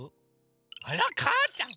あらかーちゃん